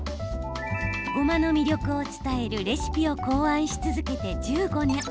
ごまの魅力を伝えるレシピを考案し続けて１５年。